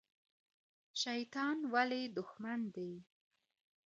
شیطان ولې دښمن دی؟